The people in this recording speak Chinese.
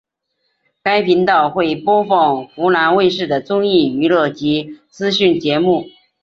该频道会播放湖南卫视的综艺娱乐及资讯节目。